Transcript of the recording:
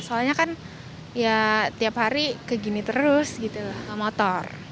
soalnya kan ya tiap hari kegini terus gitu motor